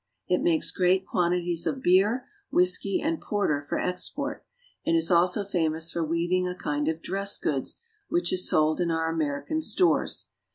It makes great quantities of beer, whisky, and porter for export, and is also famous for weaving a kind of dress goods which is sold in our American stores.